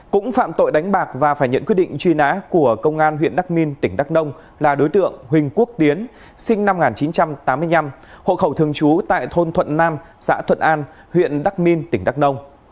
cũng phạm tội đánh bạc và phải nhận quyết định truy nã của công an huyện đắc minh tỉnh đắk nông là đối tượng huỳnh quốc tiến sinh năm một nghìn chín trăm tám mươi năm hộ khẩu thường trú tại thôn thuận nam xã thuận an huyện đắc minh tỉnh đắk nông